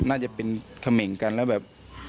น่าจะเป็นเขม่งกันแล้วแบบ